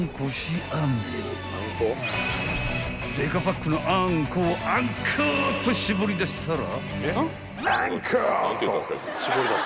［でかパックのあんこをあんこぉと絞り出したら］